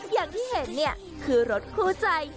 อย่างที่เห็นเนี่ยคือรถคู่ใจ